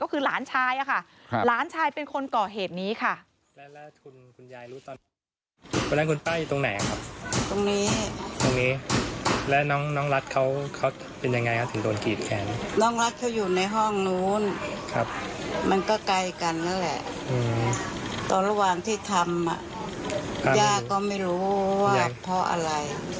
ก็คือหลานชายค่ะหลานชายเป็นคนก่อเหตุนี้ค่ะ